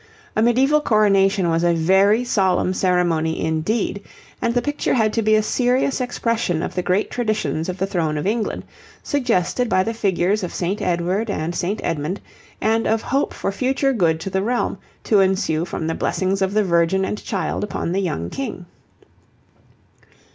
A medieval coronation was a very solemn ceremony indeed, and the picture had to be a serious expression of the great traditions of the throne of England, suggested by the figures of St. Edward and St. Edmund, and of hope for future good to the realm, to ensue from the blessings of the Virgin and Child upon the young King.